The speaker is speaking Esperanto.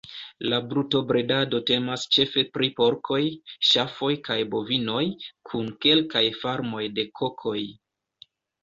La brutobredado temas ĉefe pri porkoj, ŝafoj kaj bovinoj, kun kelkaj farmoj de kokoj.